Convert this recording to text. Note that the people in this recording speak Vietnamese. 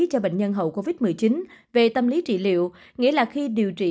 cho bệnh nhân hậu covid một mươi chín về tâm lý trị liệu nghĩa là khi điều trị